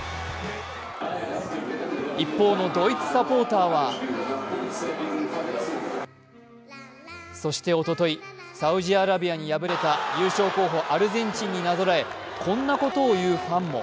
一方のドイツサポーターはそしておととい、サウジアラビアに敗れた優勝候補・アルゼンチンになぞらえこんなことを言うファンも。